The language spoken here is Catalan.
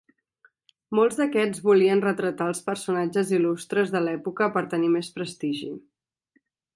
Molts d'aquests volien retratar els personatges il·lustres de l'època per tenir més prestigi.